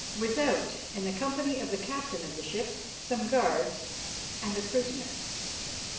"Without, in the company of the captain of the ship, some guards, and a prisoner."